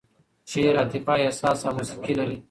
شعر عاطفه، احساس او موسیقي لري.